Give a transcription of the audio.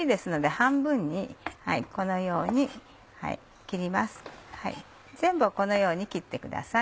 全部をこのように切ってください。